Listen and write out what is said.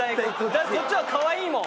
だってこっちは可愛いもん。